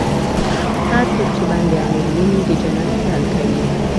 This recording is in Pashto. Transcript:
هر څوک چې بند امیر ویني، د جنت خیال کوي.